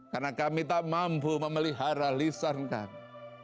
karena kami tak mampu memelihara lisan kami